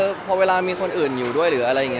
แล้วถ่ายละครมันก็๘๙เดือนอะไรอย่างนี้